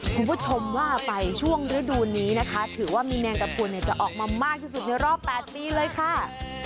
คุณผู้ชมว่าไปช่วงฤดูนี้นะคะถือว่ามีแมงกระพุนจะออกมามากที่สุดในรอบ๘ปีเลยค่ะ